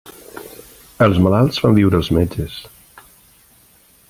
Els malalts fan viure els metges.